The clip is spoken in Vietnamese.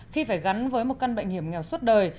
khi phải gắn với một căn bệnh hiểm nghèo suốt đời